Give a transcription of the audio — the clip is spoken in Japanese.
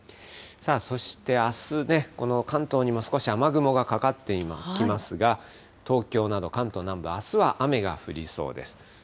そしてあす、この関東にも少し雨雲がかかってきますが、東京など関東南部、あすは雨が降りそうです。